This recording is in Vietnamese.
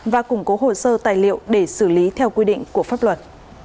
và củng cố hồ sơ tài liệu để xử lý theo quy định của pháp luật